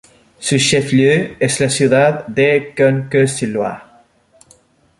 Su "chef-lieu" es la ciudad de Cosne-Cours-sur-Loire.